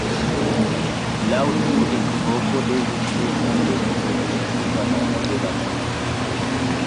Laŭ tiu ekvoko devis esti sekve elektita nomo de la municipo.